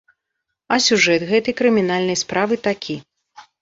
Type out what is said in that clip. А сюжэт гэтай крымінальнай справы такі.